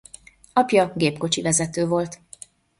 Apja gépkocsivezető volt.